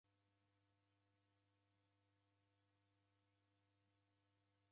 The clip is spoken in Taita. Naw'enda w'a midi kiwachenyi kuramka.